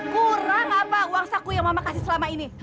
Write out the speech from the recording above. kurang apa uang saku yang mama kasih selama ini